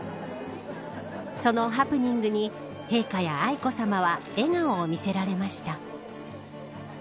そのハプニングに陛下や愛子さまは笑顔を見せられました。